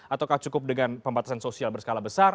atau kah cukup dengan pembatasan sosial berskala besar